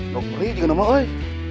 nggak kering juga nama uy